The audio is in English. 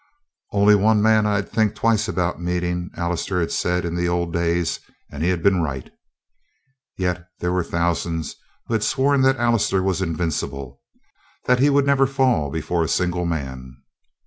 "Only one man I'd think twice about meeting," Allister had said in the old days, and he had been right. Yet there were thousands who had sworn that Allister was invincible that he would never fall before a single man.